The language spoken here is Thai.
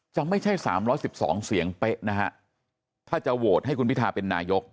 จะไม่ใช่๓๑๒เสียงเป๊ะนะฮะถ้าจะโหวตให้คุณพิทาเป็นนายก